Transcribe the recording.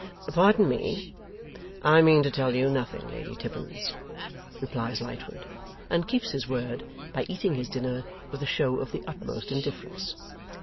'Pardon me. I mean to tell you nothing, Lady Tippins,' replies Lightwood. And keeps his word by eating his dinner with a show of the utmost indifference.